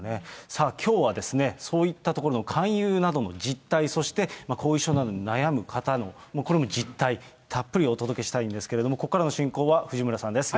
さあ、きょうはそういったところの勧誘などの実態、そして後遺症などで悩む方のこれも実態、たっぷりお届けしたいんですけれども、ここからの進行は藤村さんです。